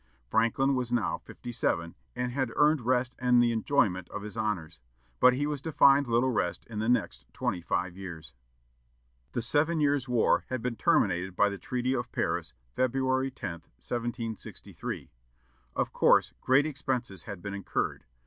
Franklin was now fifty seven, and had earned rest and the enjoyment of his honors. But he was to find little rest in the next twenty five years. The "Seven Years' War" had been terminated by the Treaty of Paris, February 10, 1763. Of course, great expenses had been incurred.